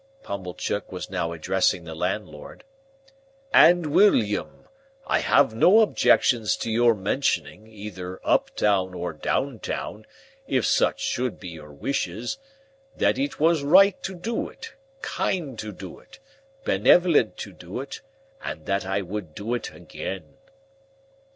Pumblechook was now addressing the landlord, "and William! I have no objections to your mentioning, either up town or down town, if such should be your wishes, that it was right to do it, kind to do it, benevolent to do it, and that I would do it again."